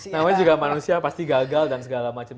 namanya juga manusia pasti gagal dan segala macam